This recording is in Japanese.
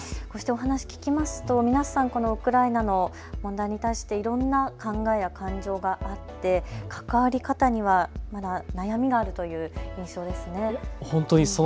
お話を聞きますと、皆さん、ウクライナの問題に対していろんな考えや感情があって関わり方にはいろいろあるという印象ですね。